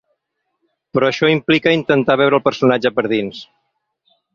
Però això implica intentar veure el personatge per dins.